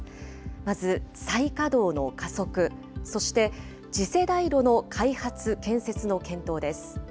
まず、再稼働の加速、そして、次世代炉の開発・建設の検討です。